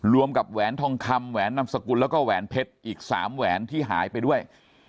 รวมกับแหวนทองคำแหวนนามสกุลแล้วก็แหวนเพชรอีก๓แหวนที่หายไปด้วย